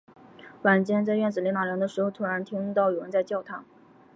晚间，在院子里纳凉的时候，突然听到有人在叫他